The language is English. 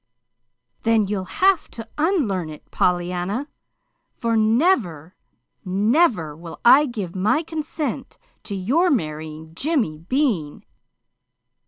"Then you'll have to unlearn it, Pollyanna, for never, never will I give my consent to your marrying Jimmy Bean."